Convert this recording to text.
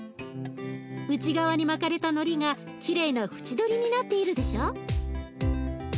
内側に巻かれたのりがきれいな縁取りになっているでしょ？